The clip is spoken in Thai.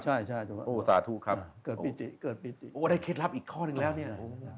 ใช่ใช่ใช่โอสาธุครับเกิดปิติโอ้ได้เคล็ดลับอีกข้อนึงแล้วเนี่ย